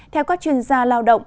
theo các chuyên gia lao động